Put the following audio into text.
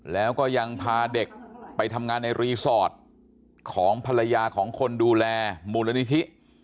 แล้วก็ยังพาเด็กไปทำงานในรีสอร์ทของภรรยาของคนดูแลมูลนิธิ